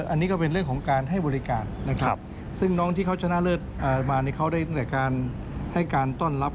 อันนี้ก็เป็นเรื่องของการให้บริการนะครับซึ่งน้องที่เขาชนะเลิศมาเนี่ยเขาได้แต่การให้การต้อนรับ